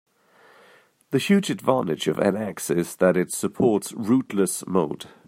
The huge advantage of NX is that it supports "rootless" mode.